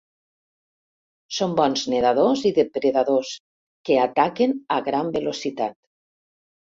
Són bons nedadors i depredadors que ataquen a gran velocitat.